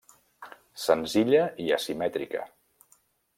Senzilla i asimètrica.